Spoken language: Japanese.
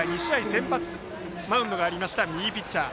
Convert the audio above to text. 先発マウンドがありました右ピッチャー。